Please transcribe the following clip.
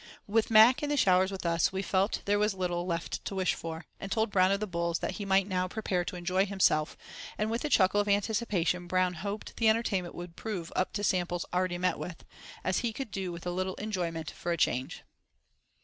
With Mac and the showers with us, we felt there was little left to wish for, and told Brown of the Bulls that he might now prepare to enjoy himself, and with a chuckle of anticipation Brown "hoped" the entertainment would prove "up to samples already met with," as he could "do with a little enjoyment for a change."